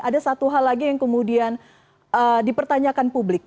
ada satu hal lagi yang kemudian dipertanyakan publik